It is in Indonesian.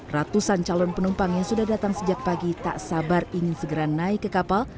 ratusan calon penumpang yang sudah datang sejak pagi tak sabar ingin segera naik ke kapal